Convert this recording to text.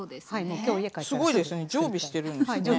すごいですね常備してるんですね。